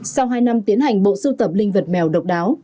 sau hai năm tiến hành bộ sưu tập linh vật mèo độc đáo